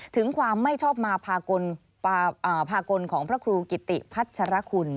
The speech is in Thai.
ถึงความไม่ชอบมาพากลของพระครูกิติพัชรคุณ